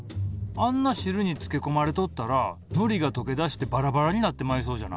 あんな汁につけ込まれとったらのりが溶けだしてバラバラになってまいそうじゃない？